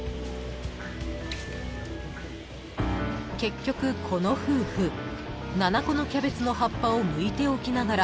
［結局この夫婦７個のキャベツの葉っぱをむいておきながら］